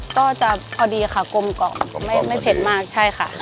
ก็จะพอดีค่ะกลมกรอบไม่เผ็ดมากใช่ค่ะ